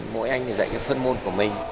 mỗi anh thì dạy cái phân môn của mình